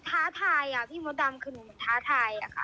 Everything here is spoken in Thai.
ท้าทายอ่ะพี่มดำคือหนูมันท้าทายอ่ะค่ะ